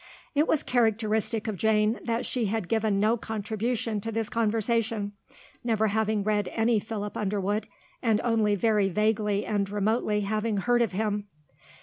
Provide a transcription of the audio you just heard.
It was characteristic of Jane that she had given no contribution to this conversation, never having read any Philip Underwood, and only very vaguely and remotely having heard of him.